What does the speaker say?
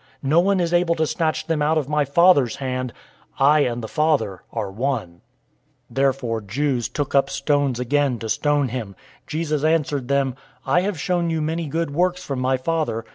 No one is able to snatch them out of my Father's hand. 010:030 I and the Father are one." 010:031 Therefore Jews took up stones again to stone him. 010:032 Jesus answered them, "I have shown you many good works from my Father.